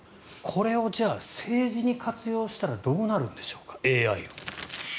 これを政治に活用したらどうなるんでしょうか、ＡＩを。